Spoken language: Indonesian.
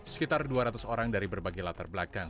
sekitar dua ratus orang dari berbagai latar belakang